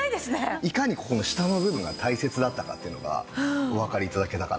いかにここの下の部分が大切だったかっていうのがおわかり頂けたかなと。